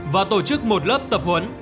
và tổ chức một lớp tập huấn